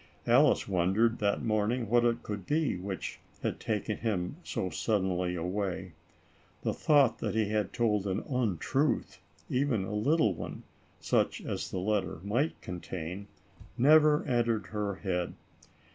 Alice wondered, that morning, what it could be, which had taken him so suddenly away. The thought that he had told an untruth, even a little one, such as the letter might contain, never entered her head.